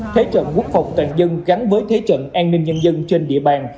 thế trận quốc phòng toàn dân gắn với thế trận an ninh nhân dân trên địa bàn